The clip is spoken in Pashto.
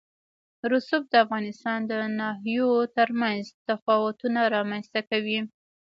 رسوب د افغانستان د ناحیو ترمنځ تفاوتونه رامنځ ته کوي.